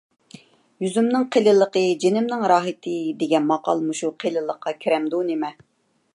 «يۈزۈمنىڭ قېلىنلىقى جېنىمنىڭ راھىتى» دېگەن ماقال مۇشۇ قېلىنلىققا كىرەمدۇ نېمە؟